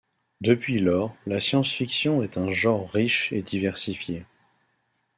Depuis lors, la science-fiction est un genre riche et diversifié.